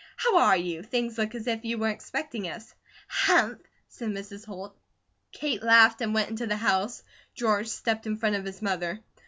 How are you? Things look as if you were expecting us." "Hump!" said Mrs. Holt. Kate laughed and went into the house. George stepped in front of his mother.